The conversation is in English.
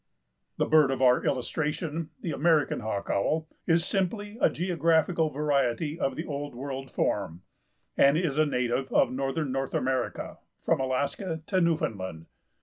The bird of our illustration, the American Hawk Owl, is simply a geographical variety of the Old World form, and is a native of northern North America, from Alaska to Newfoundland.